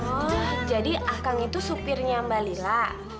oh jadi akag itu supirnya mbak lila